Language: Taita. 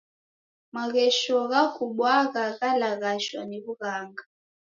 Maghesho ghekubwagha ghalaghashwa ni w'ughanga.